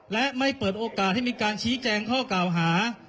และไม่เปิดโอกาสให้มีการชี้แจงข้อกล่าวหา